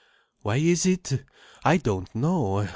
"Why is it? I don't know.